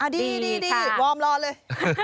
ดีวอร์มรอเลย